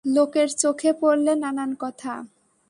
লোকের চোখে পড়লে নানান কথা।